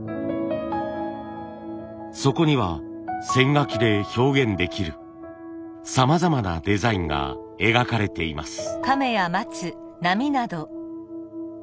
そこには線描きで表現できるさまざまなデザインが描かれています。